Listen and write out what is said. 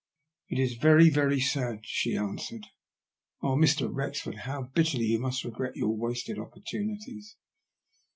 "It is very, very sad," she answered. " Oh, Mr, Wrexford, how bitterly you must regret your wasted opportunities."